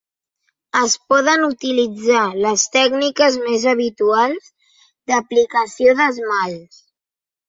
Es poden utilitzar les tècniques més habituals d'aplicació d'esmalts.